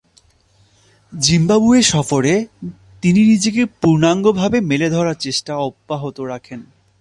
Zimbabwe সফরে তিনি নিজেকে পূর্ণাঙ্গভাবে মেলে ধরার চেষ্টা অব্যাহত রাখেন।